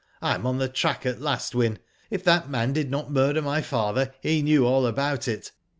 I am on the track at last, Wyn. If that man did not murder my father he knew all about it.